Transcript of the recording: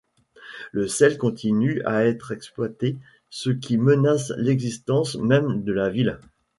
Le sel continue à être exploité, ce qui menace l'existence même de la ville.